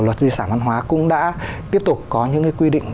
luật di sản văn hóa cũng đã tiếp tục có những quy định